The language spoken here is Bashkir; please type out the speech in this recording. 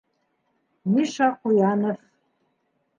Миша Ҡуянов!